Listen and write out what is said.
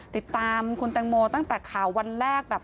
ติดตามคุณแตงโมตั้งแต่ข่าววันแรกแบบ